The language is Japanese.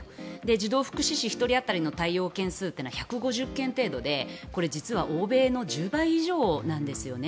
児童福祉司１人当たりの対応件数は１５０件程度で、実は欧米の１０倍以上なんですよね。